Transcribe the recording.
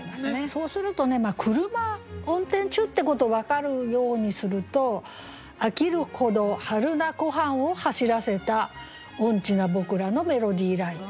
そうすると車運転中っていうことを分かるようにすると「飽きるほど榛名湖畔を走らせた音痴な僕らのメロディーライン」。